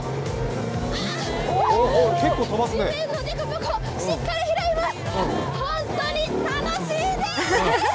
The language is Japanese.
地面の凸凹、しっかり拾います。